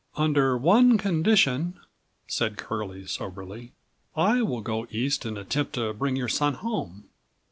"Under one condition," said Curlie soberly, "I will go East and attempt to bring your son home.